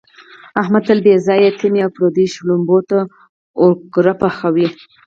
احمد تل بې ځایه تمې او پردیو شړومبو ته اوګره پحوي.